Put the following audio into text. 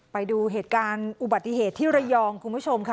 ไปดูเหตุการณ์อุบัติเหตุที่ระยองคุณผู้ชมค่ะ